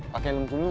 pakai lem dulu